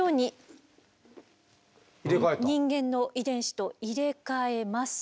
人間の遺伝子と入れ替えますと。